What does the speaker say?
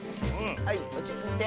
はいおちついて。